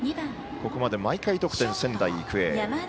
ここまで、毎回得点、仙台育英。